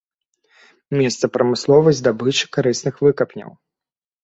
Месца прамысловай здабычы карысных выкапняў.